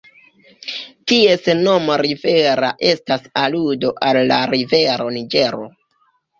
Ties nomo "Rivera" estas aludo al la rivero Niĝero.